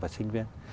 và sinh viên